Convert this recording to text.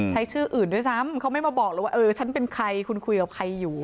ชื่ออื่นด้วยซ้ำเขาไม่มาบอกเลยว่าเออฉันเป็นใครคุณคุยกับใครอยู่